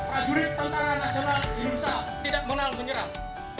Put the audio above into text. para jurid tentara nasional di lusa tidak mengenal penyerang